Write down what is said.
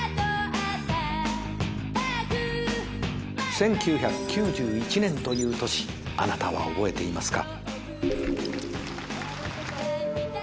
１９９１年という年あなたは覚えていますか？